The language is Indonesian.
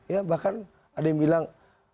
ya bahkan ada yang bilang